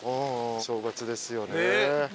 正月ですよね。